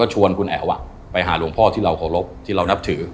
ชวนคุณแอ๋วไปหาหลวงพ่อที่เราเคารพที่เรานับถือ